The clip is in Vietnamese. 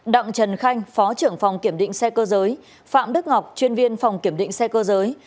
đặng trần khanh phó trưởng phòng kiểm định xe cơ giới phạm đức ngọc chuyên viên phòng kiểm định xe cơ giới